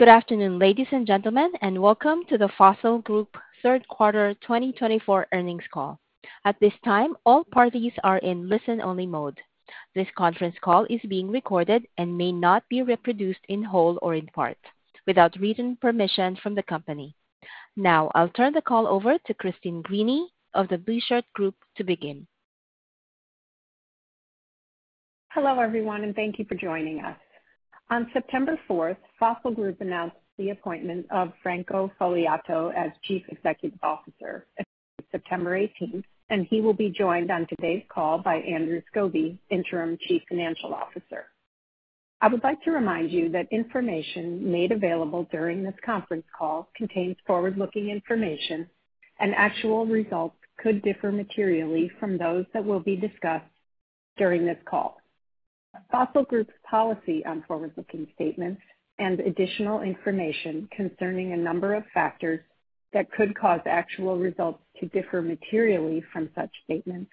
Good afternoon, ladies and gentlemen, and welcome to the Fossil Group third quarter 2024 earnings call. At this time, all parties are in listen-only mode. This conference call is being recorded and may not be reproduced in whole or in part without written permission from the company. Now, I'll turn the call over to Christine Greany of The Blueshirt Group to begin. Hello, everyone, and thank you for joining us. On September 4th, Fossil Group announced the appointment of Franco Fogliato as Chief Executive Officer on September 18th, and he will be joined on today's call by Andrew Skobe, Interim Chief Financial Officer. I would like to remind you that information made available during this conference call contains forward-looking information, and actual results could differ materially from those that will be discussed during this call. Fossil Group's policy on forward-looking statements and additional information concerning a number of factors that could cause actual results to differ materially from such statements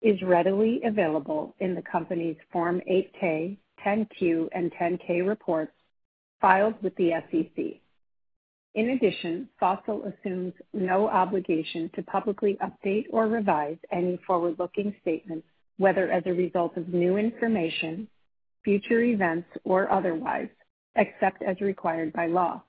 is readily available in the company's Form 8-K, 10-Q, and 10-K reports filed with the SEC. In addition, Fossil assumes no obligation to publicly update or revise any forward-looking statements, whether as a result of new information, future events, or otherwise, except as required by law.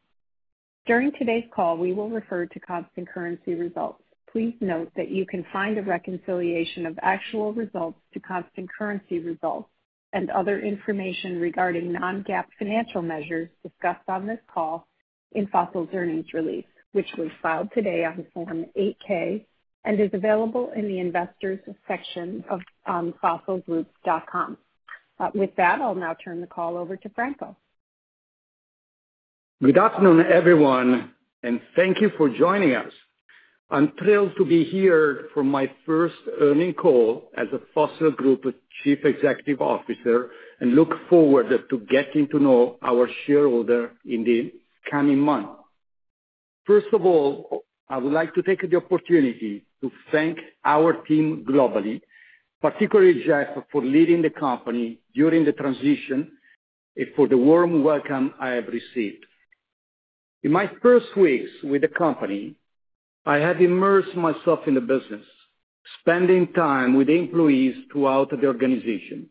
During today's call, we will refer to constant currency results. Please note that you can find a reconciliation of actual results to constant currency results and other information regarding non-GAAP financial measures discussed on this call in Fossil's earnings release, which was filed today on Form 8-K and is available in the investors' section of fossilgroup.com. With that, I'll now turn the call over to Franco. Good afternoon, everyone, and thank you for joining us. I'm thrilled to be here for my first earnings call as the Fossil Group Chief Executive Officer and look forward to getting to know our shareholders in the coming months. First of all, I would like to take the opportunity to thank our team globally, particularly Jeff, for leading the company during the transition and for the warm welcome I have received. In my first weeks with the company, I have immersed myself in the business, spending time with employees throughout the organization,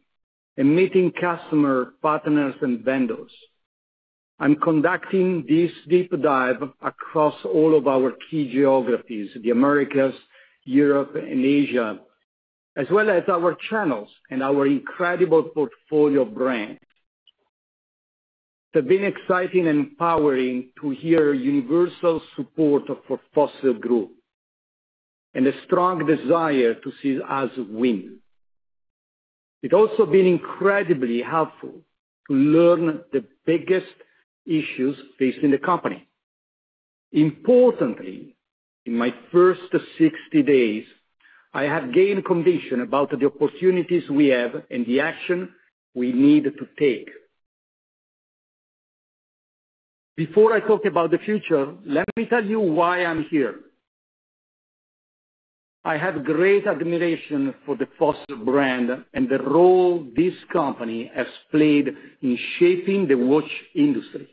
and meeting customers, partners, and vendors. I'm conducting this deep dive across all of our key geographies: the Americas, Europe, and Asia, as well as our channels and our incredible portfolio brands. It's been exciting and empowering to hear universal support for Fossil Group and a strong desire to see us win. It's also been incredibly helpful to learn the biggest issues facing the company. Importantly, in my first 60 days, I have gained conviction about the opportunities we have and the action we need to take. Before I talk about the future, let me tell you why I'm here. I have great admiration for the Fossil brand and the role this company has played in shaping the watch industry.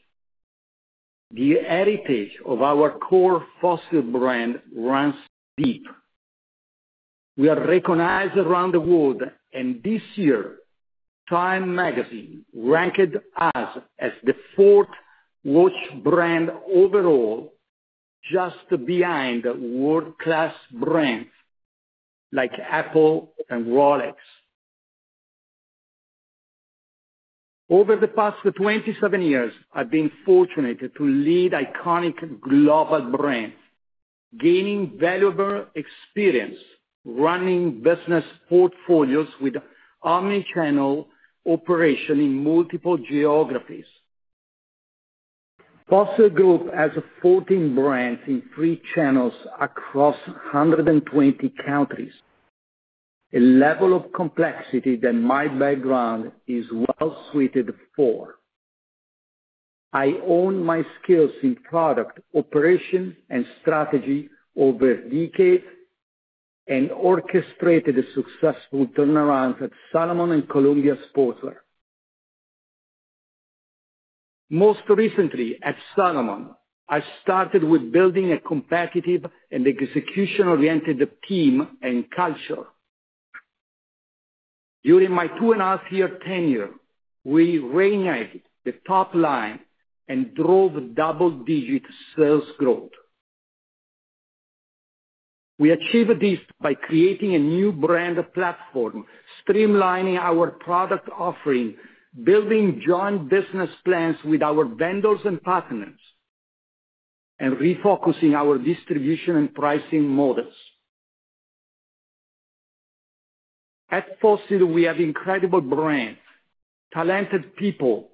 The heritage of our core Fossil brand runs deep. We are recognized around the world, and this year, TIME magazine ranked us as the fourth watch brand overall, just behind world-class brands like Apple and Rolex. Over the past 27 years, I've been fortunate to lead iconic global brands, gaining valuable experience running business portfolios with omnichannel operation in multiple geographies. Fossil Group has 14 brands in three channels across 120 countries, a level of complexity that my background is well suited for. I own my skills in product operation and strategy over decades and orchestrated successful turnarounds at Salomon and Columbia Sportswear. Most recently, at Salomon, I started with building a competitive and execution-oriented team and culture. During my two-and-a-half-year tenure, we reignited the top line and drove double-digit sales growth. We achieved this by creating a new brand platform, streamlining our product offering, building joint business plans with our vendors and partners, and refocusing our distribution and pricing models. At Fossil, we have incredible brands, talented people,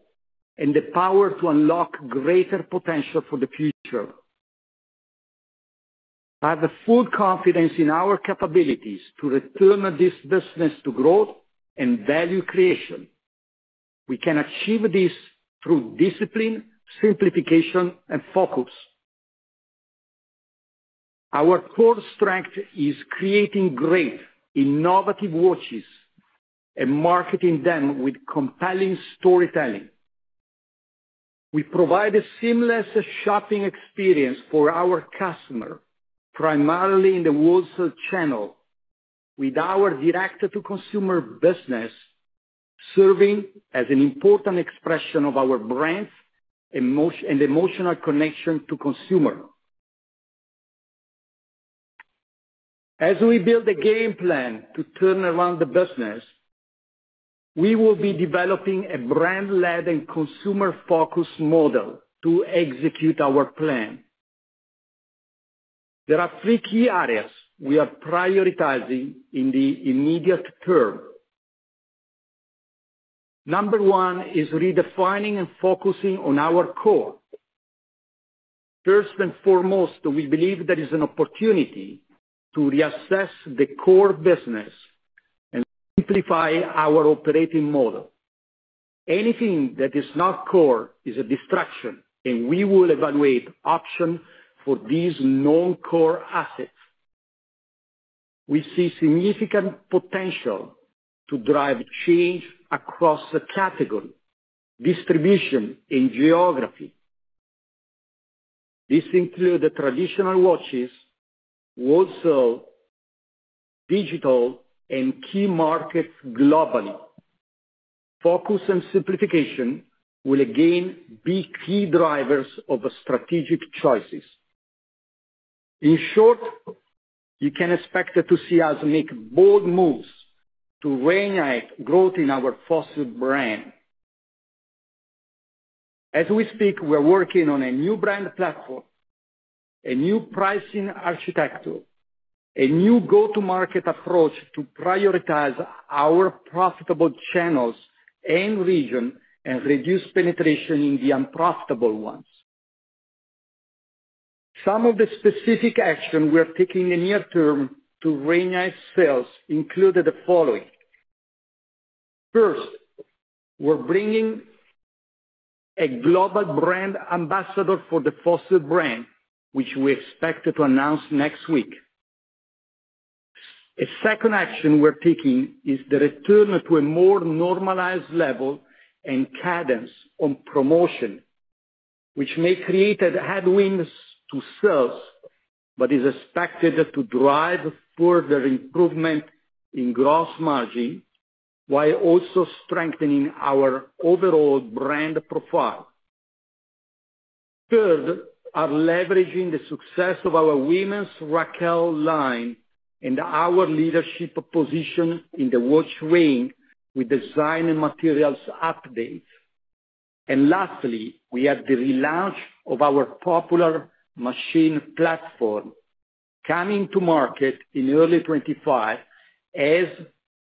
and the power to unlock greater potential for the future. I have full confidence in our capabilities to return this business to growth and value creation. We can achieve this through discipline, simplification, and focus. Our core strength is creating great, innovative watches and marketing them with compelling storytelling. We provide a seamless shopping experience for our customers, primarily in the wholesale channel, with our direct-to-consumer business serving as an important expression of our brands and emotional connection to consumers. As we build a game plan to turn around the business, we will be developing a brand-led and consumer-focused model to execute our plan. There are three key areas we are prioritizing in the immediate term. Number one is redefining and focusing on our core. First and foremost, we believe there is an opportunity to reassess the core business and simplify our operating model. Anything that is not core is a distraction, and we will evaluate options for these non-core assets. We see significant potential to drive change across the category, distribution, and geography. This includes the traditional watches, wholesale, digital, and key markets globally. Focus and simplification will again be key drivers of strategic choices. In short, you can expect to see us make bold moves to reignite growth in our Fossil brand. As we speak, we are working on a new brand platform, a new pricing architecture, a new go-to-market approach to prioritize our profitable channels and region, and reduce penetration in the unprofitable ones. Some of the specific actions we are taking in the near term to reignite sales include the following. First, we're bringing a global brand ambassador for the Fossil brand, which we expect to announce next week. A second action we're taking is the return to a more normalized level and cadence on promotion, which may create headwinds to sales but is expected to drive further improvement in gross margin while also strengthening our overall brand profile. Third, we are leveraging the success of our women's Raquel line and our leadership position in the Watch Ring with design and materials updates. And lastly, we have the relaunch of our popular Machine platform coming to market in early 2025 as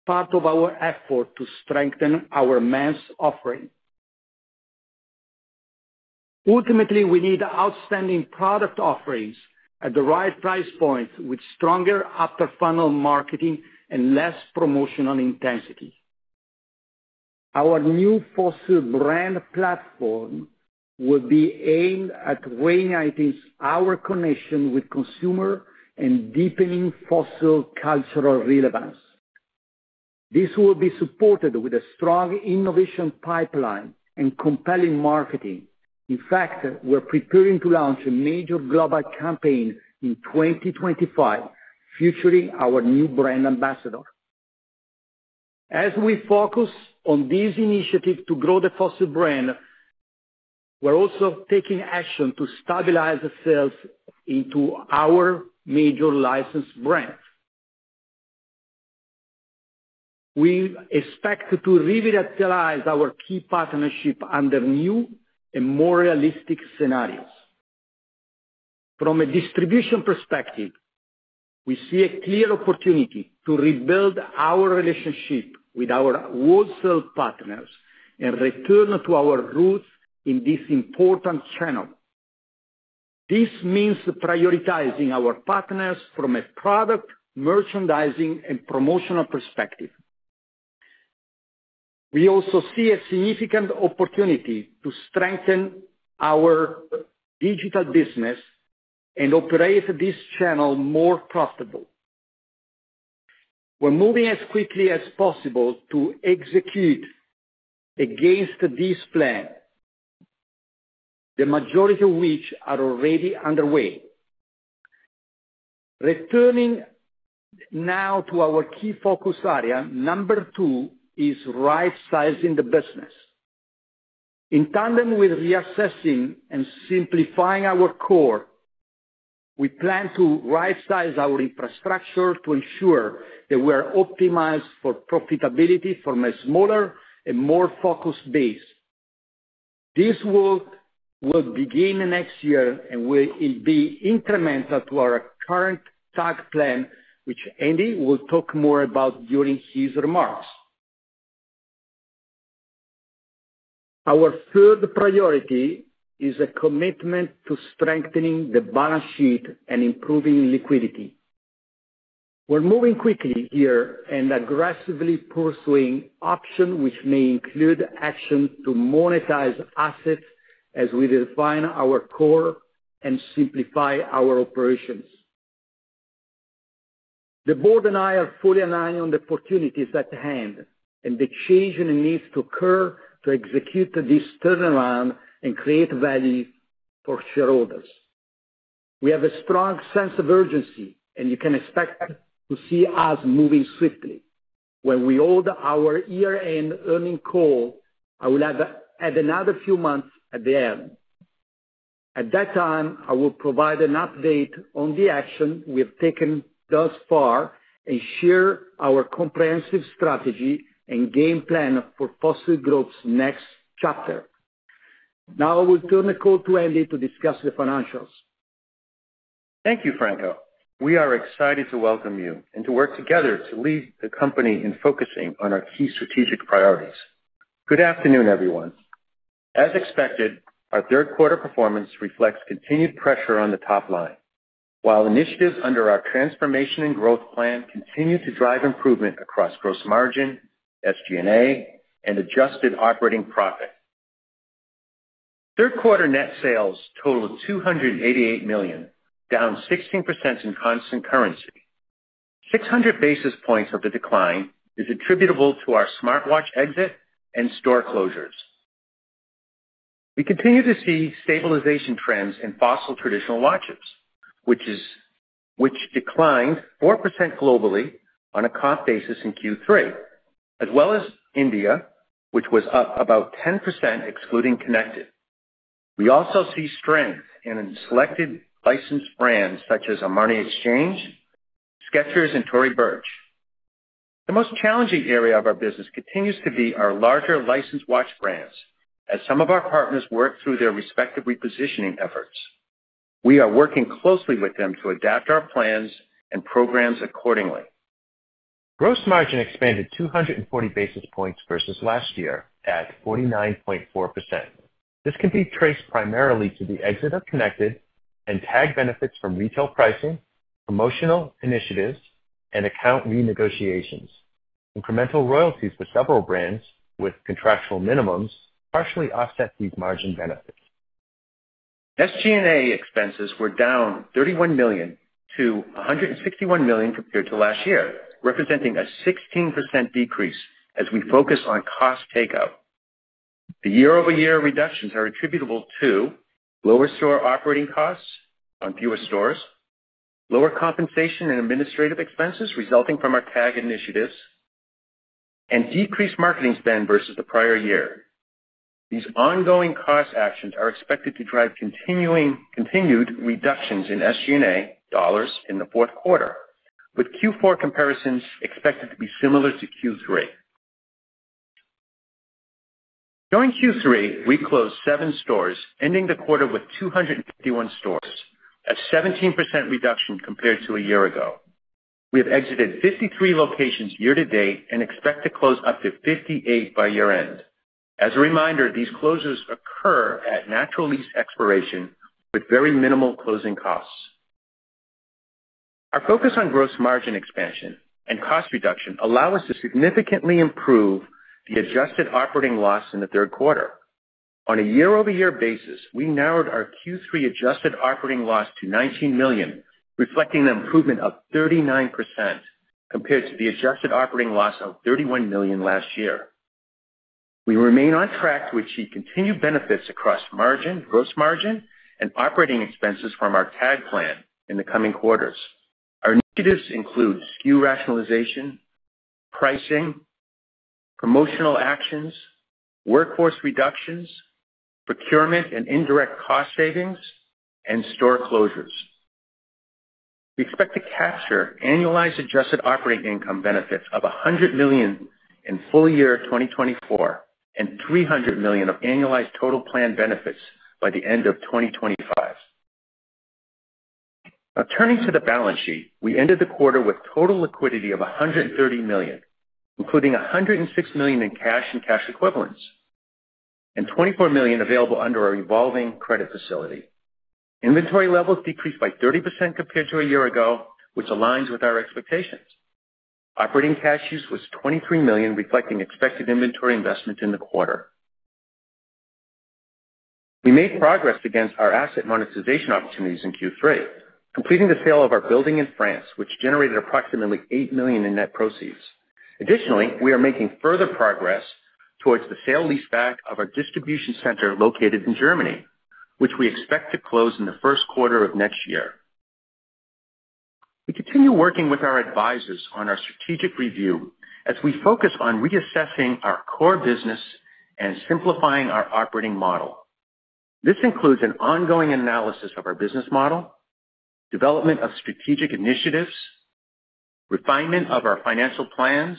part of our effort to strengthen our mass offering. Ultimately, we need outstanding product offerings at the right price points with stronger upper-funnel marketing and less promotional intensity. Our new Fossil brand platform will be aimed at reigniting our connection with consumers and deepening Fossil cultural relevance. This will be supported with a strong innovation pipeline and compelling marketing. In fact, we're preparing to launch a major global campaign in 2025 featuring our new brand ambassador. As we focus on these initiatives to grow the Fossil brand, we're also taking action to stabilize sales into our major licensed brands. We expect to revitalize our key partnerships under new and more realistic scenarios. From a distribution perspective, we see a clear opportunity to rebuild our relationship with our wholesale partners and return to our roots in this important channel. This means prioritizing our partners from a product, merchandising, and promotional perspective. We also see a significant opportunity to strengthen our digital business and operate this channel more profitably. We're moving as quickly as possible to execute against this plan, the majority of which are already underway. Returning now to our key focus area, number two is right-sizing the business. In tandem with reassessing and simplifying our core, we plan to right-size our infrastructure to ensure that we are optimized for profitability from a smaller and more focused base. This work will begin next year and will be incremental to our current TAG Plan, which Andy will talk more about during his remarks. Our third priority is a commitment to strengthening the balance sheet and improving liquidity. We're moving quickly here and aggressively pursuing options which may include actions to monetize assets as we refine our core and simplify our operations. The board and I are fully aligned on the opportunities at hand and the change needs to occur to execute this turnaround and create value for shareholders. We have a strong sense of urgency, and you can expect to see us moving swiftly. When we hold our year-end earnings call, I will have another few months at the end. At that time, I will provide an update on the action we've taken thus far and share our comprehensive strategy and game plan for Fossil Group's next chapter. Now, I will turn the call to Andy to discuss the financials. Thank you, Franco. We are excited to welcome you and to work together to lead the company in focusing on our key strategic priorities. Good afternoon, everyone. As expected, our third-quarter performance reflects continued pressure on the top line, while initiatives under our transformation and growth plan continue to drive improvement across gross margin, SG&A, and adjusted operating profit. Third-quarter net sales totaled $288 million, down 16% in constant currency. 600 basis points of the decline is attributable to our smartwatch exit and store closures. We continue to see stabilization trends in Fossil traditional watches, which declined 4% globally on a comp basis in Q3, as well as India, which was up about 10% excluding connected. We also see strength in selected licensed brands such as Armani Exchange, Skechers, and Tory Burch. The most challenging area of our business continues to be our larger licensed watch brands, as some of our partners work through their respective repositioning efforts. We are working closely with them to adapt our plans and programs accordingly. Gross margin expanded 240 basis points versus last year at 49.4%. This can be traced primarily to the exit of Connected and TAG benefits from retail pricing, promotional initiatives, and account renegotiations. Incremental royalties for several brands with contractual minimums partially offset these margin benefits. SG&A expenses were down $31 million to $161 million compared to last year, representing a 16% decrease as we focus on cost takeout. The year-over-year reductions are attributable to lower store operating costs on fewer stores, lower compensation and administrative expenses resulting from our TAG initiatives, and decreased marketing spend versus the prior year. These ongoing cost actions are expected to drive continued reductions in SG&A dollars in the fourth quarter, with Q4 comparisons expected to be similar to Q3. During Q3, we closed seven stores, ending the quarter with 251 stores, a 17% reduction compared to a year ago. We have exited 53 locations year-to-date and expect to close up to 58 by year-end. As a reminder, these closures occur at natural lease expiration with very minimal closing costs. Our focus on gross margin expansion and cost reduction allows us to significantly improve the adjusted operating loss in the third quarter. On a year-over-year basis, we narrowed our Q3 adjusted operating loss to $19 million, reflecting an improvement of 39% compared to the adjusted operating loss of $31 million last year. We remain on track to achieve continued benefits across margin, gross margin, and operating expenses from our TAG plan in the coming quarters. Our initiatives include SKU rationalization, pricing, promotional actions, workforce reductions, procurement and indirect cost savings, and store closures. We expect to capture annualized adjusted operating income benefits of $100 million in full year 2024 and $300 million of annualized total plan benefits by the end of 2025. Now, turning to the balance sheet, we ended the quarter with total liquidity of $130 million, including $106 million in cash and cash equivalents, and $24 million available under our revolving credit facility. Inventory levels decreased by 30% compared to a year ago, which aligns with our expectations. Operating cash use was $23 million, reflecting expected inventory investment in the quarter. We made progress against our asset monetization opportunities in Q3, completing the sale of our building in France, which generated approximately $8 million in net proceeds. Additionally, we are making further progress towards the sale-leaseback of our distribution center located in Germany, which we expect to close in the first quarter of next year. We continue working with our advisors on our strategic review as we focus on reassessing our core business and simplifying our operating model. This includes an ongoing analysis of our business model, development of strategic initiatives, refinement of our financial plans,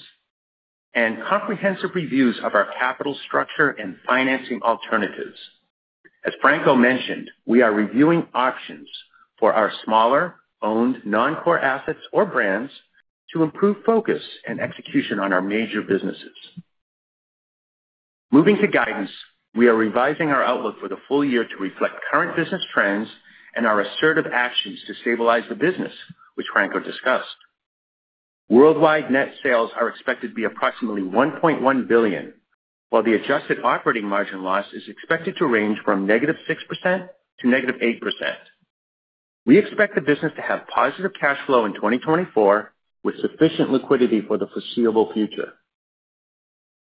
and comprehensive reviews of our capital structure and financing alternatives. As Franco mentioned, we are reviewing options for our smaller, owned non-core assets or brands to improve focus and execution on our major businesses. Moving to guidance, we are revising our outlook for the full year to reflect current business trends and our assertive actions to stabilize the business, which Franco discussed. Worldwide net sales are expected to be approximately $1.1 billion, while the adjusted operating margin loss is expected to range from -6% to -8%. We expect the business to have positive cash flow in 2024 with sufficient liquidity for the foreseeable future.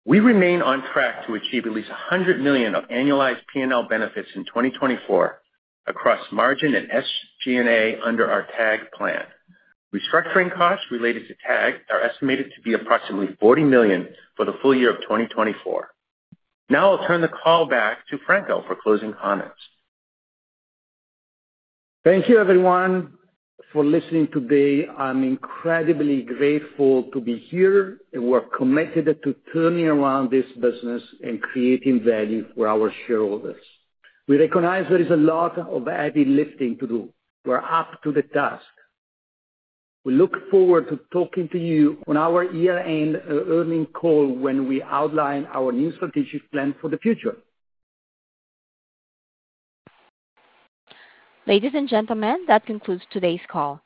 We remain on track to achieve at least $100 million of annualized P&L benefits in 2024 across margin and SG&A under our TAG plan. Restructuring costs related to TAG are estimated to be approximately $40 million for the full year of 2024. Now, I'll turn the call back to Franco for closing comments. Thank you, everyone, for listening today. I'm incredibly grateful to be here and we're committed to turning around this business and creating value for our shareholders. We recognize there is a lot of heavy lifting to do. We're up to the task. We look forward to talking to you on our year-end earnings call when we outline our new strategic plan for the future. Ladies and gentlemen, that concludes today's call.